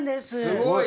すごい。